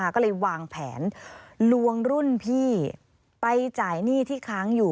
ก็เลยวางแผนลวงรุ่นพี่ไปจ่ายหนี้ที่ค้างอยู่